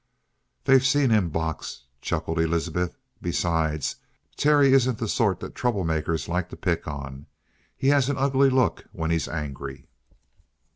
"They've seen him box," chuckled Elizabeth. "Besides, Terry isn't the sort that troublemakers like to pick on. He has an ugly look when he's angry."